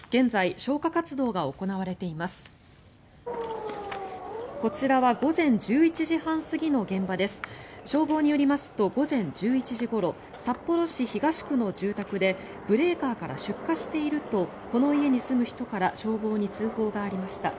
消防によりますと午前１１時ごろ札幌市東区の住宅でブレーカーから出火しているとこの家に住む人から消防に通報がありました。